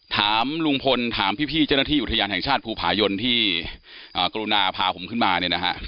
ถามลุงพลถามพี่เจ้าหน้าที่อุทยานแห่งชาติภูผายนที่กรุณาพาผมขึ้นมาเนี่ยนะฮะ